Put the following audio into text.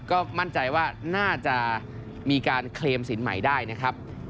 ก็มั่นใจว่าน่าจะมีการเคลมสินใหม่ได้นะครับ